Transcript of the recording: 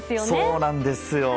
そうなんですよ。